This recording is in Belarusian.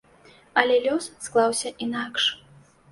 Але лёс склаўся інакш.